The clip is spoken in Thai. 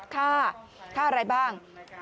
ค่าค่าอะไรบ้าง